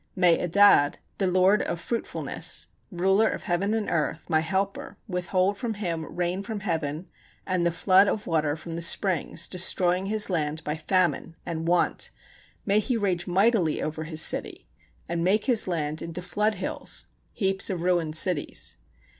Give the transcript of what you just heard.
May Adad, the lord of fruitfulness, ruler of heaven and earth, my helper, withhold from him rain from heaven, and the flood of water from the springs, destroying his land by famine and want; may he rage mightily over his city, and make his land into flood hills [heaps of ruined cities].